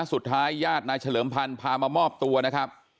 สุดท้ายญาตินายเฉลิมพันธ์พามามอบตัวนะครับ